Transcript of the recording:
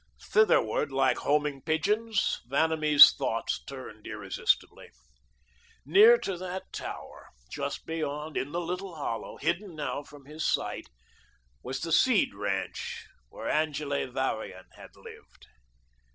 Thitherward, like homing pigeons, Vanamee's thoughts turned irresistibly. Near to that tower, just beyond, in the little hollow, hidden now from his sight, was the Seed ranch where Angele Varian had lived.